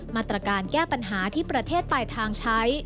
มาตรการแก้ปัญหาที่ประเทศปลายทางใช้